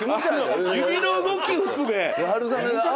指の動き含め。